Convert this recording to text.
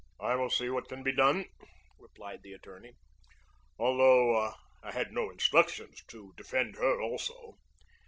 "I will see what can be done," replied the attorney, "although I had no instructions to defend her also."